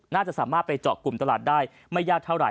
น่าจะสามารถไปเจาะกลุ่มตลาดได้ไม่ยากเท่าไห